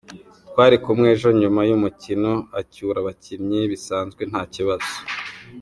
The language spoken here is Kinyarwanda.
Twari kumwe ejo nyuma y’umukino, acyura abakinnyi bisanzwe nta kibazo.